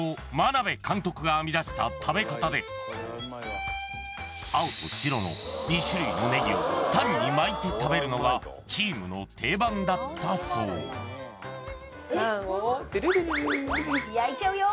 眞鍋監督が編み出した食べ方で青と白の２種類のネギをタンに巻いて食べるのがチームの定番だったそうタンをトゥルルルル焼いちゃうよ・